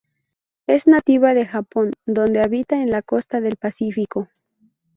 Es nativa de Japón, donde habita en la costa del Pacífico.